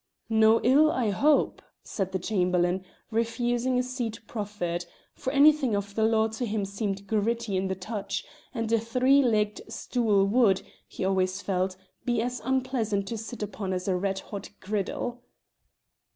"No ill, I hope," said the Chamberlain, refusing a seat proffered; for anything of the law to him seemed gritty in the touch, and a three legged stool would, he always felt, be as unpleasant to sit upon as a red hot griddle.